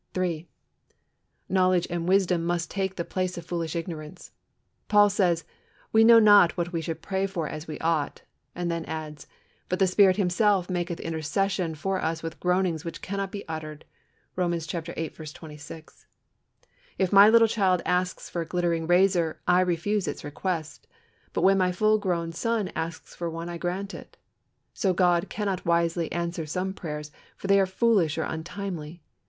3. Knowledge and wisdom must take the place of foolish ignorance. Paul says, "We know not what we should pray for as we ought," and then adds, "But the Spirit Himself maketh intercession for us with groanings which cannot be uttered" (Romans viii. 26). If my little child asks for a glittering razor, I refuse its request; but when my full grown son asks for one I grant it. So God cannot wisely answer some prayers, for they are foolish or untimely.